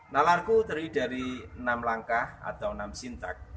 nalarku terdiri dari enam langkah atau enam sintak